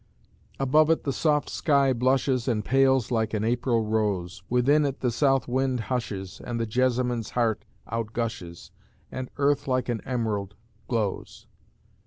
Above it the soft sky blushes And pales like an April rose; Within it the South wind hushes, And the Jessamine's heart outgushes, And earth like an emerald glows.